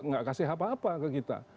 nggak kasih apa apa ke kita